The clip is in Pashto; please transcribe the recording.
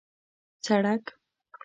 سړک